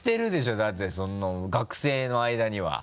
だって学生のあいだには。